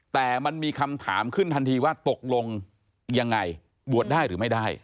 แต่มันมีคำถามขึ้นทันทีว่าตกลงยังไงบวชได้หรือไม่ได้